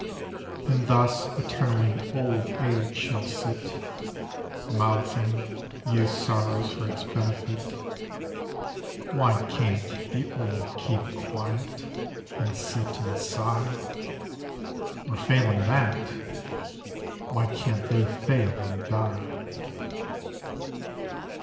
And thus eternally old age shall sit Mouthing youth's sorrows for its benefit. Why can 't the old keep quiet, and sit and sigh ? Or, failing that, why can 't they fail and die